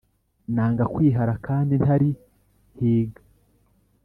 nanga kwihara kandi ntari hiìga